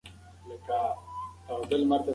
کار کول د پلار د مسؤلیت یوه مهمه برخه ده.